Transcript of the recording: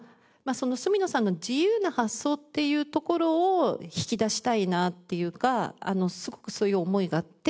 その角野さんの自由な発想っていうところを引き出したいなっていうかすごくそういう思いがあって。